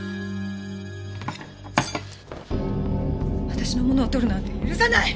私のものを取るなんて許さない！